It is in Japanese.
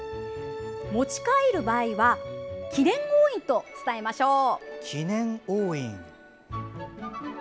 持ち帰る場合は記念押印と伝えましょう。